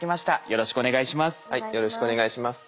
よろしくお願いします。